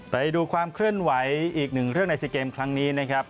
ไปดูความเคลื่อนไหวอีกหนึ่งเรื่องในซีเกมครั้งนี้นะครับ